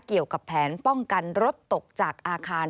เกี่ยวกับแผนป้องกันรถตกจากอาคาร